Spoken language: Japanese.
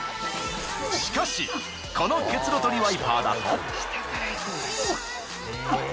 しかしこの結露取りワイパーだと。